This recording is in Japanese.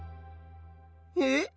えっ？